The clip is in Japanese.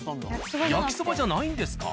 焼きそばじゃないんですか？